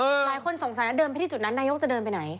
หลายคนสงสัยนะเดินไปที่จุดนั้นนายกจะเดินไปไหน